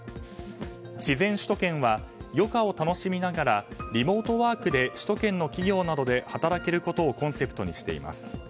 自然首都圏は余暇を楽しみながらリモートワークで首都圏の企業などで働けることをコンセプトにしています。